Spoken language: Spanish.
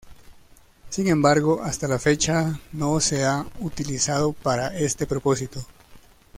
Sin embargo, hasta la fecha no se ha utilizado para este propósito.